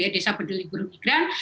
desa pendelit burung migran